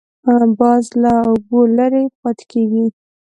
باز له اوبو لرې پاتې کېږي